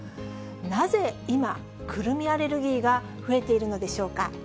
なぜ今、くるみアレルギーが増えているのでしょうか。